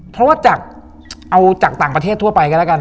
เพราะว่าจากเอาจากต่างประเทศทั่วไปก็แล้วกัน